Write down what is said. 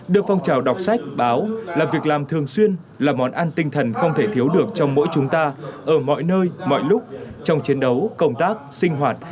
được phong trào đọc sách báo là việc làm thường xuyên là món ăn tinh thần không thể thiếu được trong mỗi chúng ta ở mọi nơi mọi lúc trong chiến đấu công tác sinh hoạt